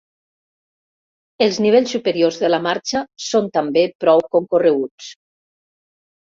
Els nivells superiors de la marxa són també prou concorreguts.